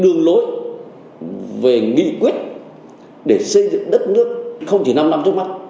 đường lối về nghị quyết để xây dựng đất nước không chỉ năm năm trước mắt